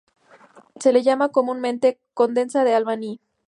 Se le llama comúnmente "Condesa de Albany".